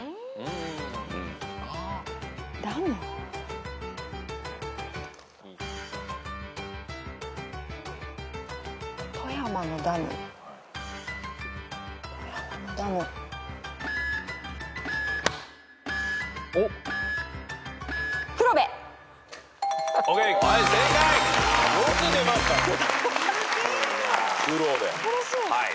うれしい！